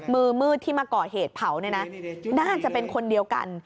มือมืดที่มาก่อเหตุเผาเนี่ยนะน่าจะเป็นคนเดียวกัน